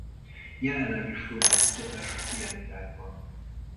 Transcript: Jelenleg is folynak kutatások ilyen irányban.